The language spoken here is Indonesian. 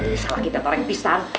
eh salah kita torek pisang